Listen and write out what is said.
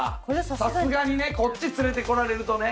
さすがにねこっち連れてこられるとね。